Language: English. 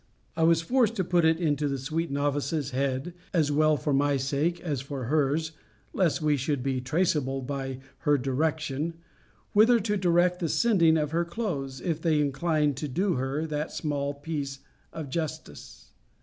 I was forced to put it into the sweet novice's head, as well for my sake as for hers (lest we should be traceable by her direction) whither to direct the sending of her clothes, if they incline to do her that small piece of justice.